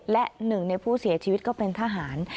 และหนึ่งในผู้เสียชีวิตก็เป็นทหาร